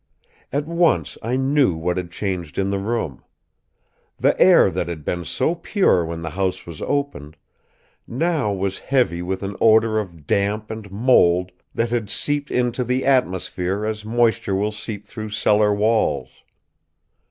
At once I knew what had changed in the room. The air that had been so pure when the house was opened, now was heavy with an odor of damp and mould that had seeped into the atmosphere as moisture will seep through cellar walls.